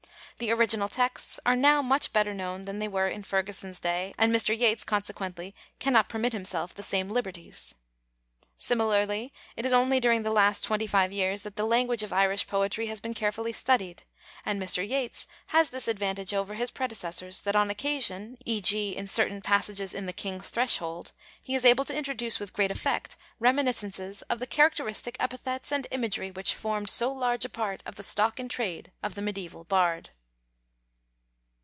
The original texts are now much better known than they were in Ferguson's day, and Mr. Yeats consequently cannot permit himself the same liberties. Similarly, it is only during the last twenty five years that the language of Irish poetry has been carefully studied, and Mr. Yeats has this advantage over his predecessors that on occasion, e.g., in certain passages in The King's Threshold, he is able to introduce with great effect reminiscences of the characteristic epithets and imagery which formed so large a part of the stock in trade of the medieval bard.